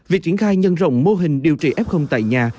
việc triển khai nhân rộng mô hình điều trị f tại nhà